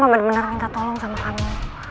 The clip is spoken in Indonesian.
mama benar benar minta tolong sama kamu